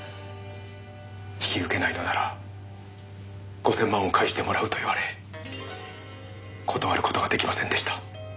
「引き受けないのなら５０００万を返してもらう」と言われ断る事が出来ませんでした。